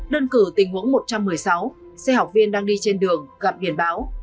đơn cử tình huống một trăm một mươi sáu xe học viên đang đi trên đường gặp biển báo